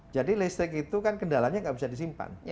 jadi listrik itu kan kendalanya tidak bisa disimpan